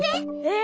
え？